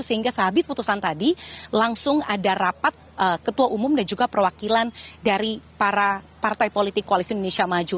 sehingga sehabis putusan tadi langsung ada rapat ketua umum dan juga perwakilan dari para partai politik koalisi indonesia maju